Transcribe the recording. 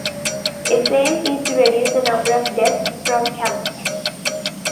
Its aim is to reduce the number of deaths from cancer.